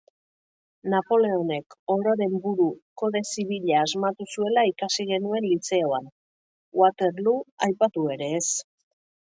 Napoleonek, ororen buru, kode zibila asmatu zuela ikasi genuen lizeoan. Waterloo aipatu ere ez...